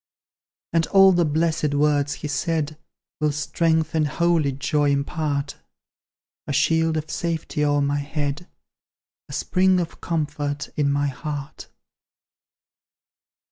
And all the blessed words He said Will strength and holy joy impart: A shield of safety o'er my head, A spring of comfort in my heart.